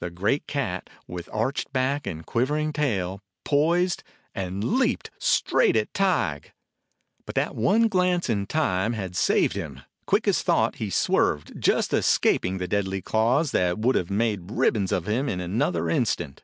The great cat, with arched back and quiver ing tail, poised — and leaped, straight at Tige. But that one glance in time had saved him. Quick as thought he swerved, just escaping the deadly claws that would have made rib 22 A DOG OF THE SIERRA NEVADAS bons of him in another instant.